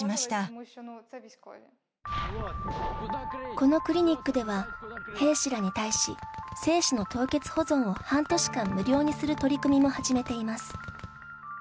このクリニックでは兵士らに対し精子の凍結保存を半年間無料にする取り組みも始めています。